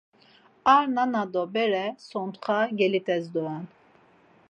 Ar nana do bere sontxa gelit̆es doren.